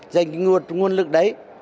dành cái nguồn lực đấy